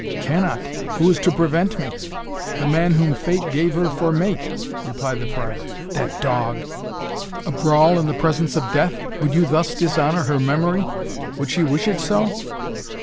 "Cannot? Who is to prevent me?" "The man whom fate gave her for mate," replied the friar. "That dog " "A brawl in the presence of death? Would you thus dishonor her memory? Would she wish it so?"